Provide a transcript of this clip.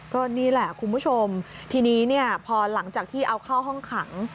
ก็นี่แหละคุณผู้ชมทีนี้เนี่ยพอหลังจากที่เอาเข้าห้องขัง